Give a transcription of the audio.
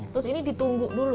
terus ini ditunggu dulu